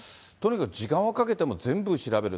とにかく時間をかけても全部調べる。